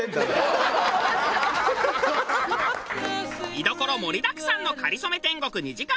見どころ盛りだくさんの『かりそめ天国』２時間